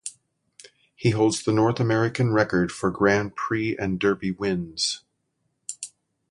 He holds the North American record for Grand Prix and Derby wins.